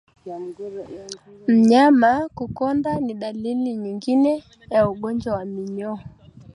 Mnyama kukonda ni dalili nyingine ya ugonjwa wa minyoo